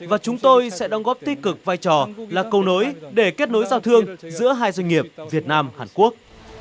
và chúng tôi sẽ đóng góp tích cực vai trò là cầu nối để kết nối giao thương giữa hai doanh nghiệp việt nam hàn quốc